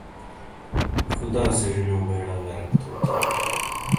خداسے زینو بیڑہ غرق تھو تھن!